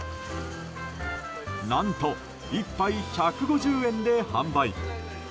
何と、１杯１５０円で販売。